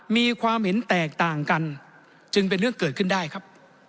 มีความเห็นแตกต่างกันจึงเป็นเรื่องเกิดขึ้นได้ครับ